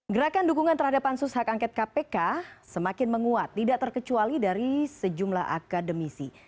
gerakan dukungan terhadap pansus hak angket kpk semakin menguat tidak terkecuali dari sejumlah akademisi